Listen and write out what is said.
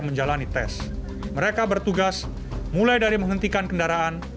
mereka bertugas mulai dari menghentikan kendaraan